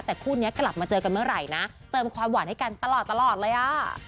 แต่คู่นี้กลับมาเจอกันเมื่อไหร่นะเติมความหวานให้กันตลอดเลยอ่ะ